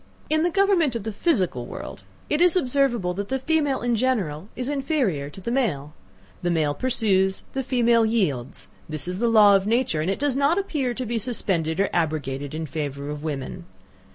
In the government of the physical world, it is observable that the female, in general, is inferior to the male. The male pursues, the female yields this is the law of nature; and it does not appear to be suspended or abrogated in favour of woman.